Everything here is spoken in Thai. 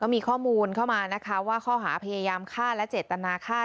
มีข้อมูลเข้ามานะคะว่าข้อหาพยายามฆ่าและเจตนาฆ่า